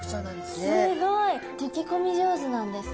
すごいとけこみ上手なんですね。